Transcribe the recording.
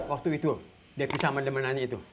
waktu itu dia pisah sama demenannya itu